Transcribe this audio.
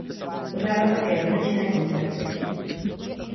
Pořádá také dobročinné koncerty.